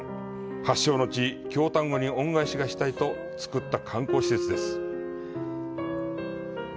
発祥の地、京丹後に恩返しがしたいと造った観光施設です。